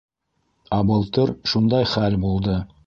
Ә былтыр шундай хәл булды.